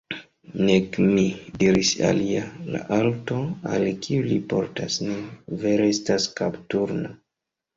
Nek mi, diris alia, la alto, al kiu li portas nin, vere estas kapturna.